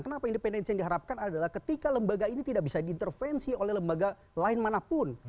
kenapa independensi yang diharapkan adalah ketika lembaga ini tidak bisa diintervensi oleh lembaga lain manapun